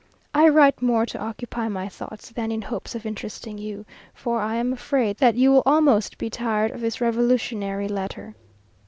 I write more to occupy my thoughts than in hopes of interesting you; for I am afraid that you will almost be tired of this revolutionary letter.